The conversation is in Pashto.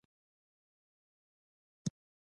د راهیسې هغې پالیسۍ ته نوم نه شو ورکولای.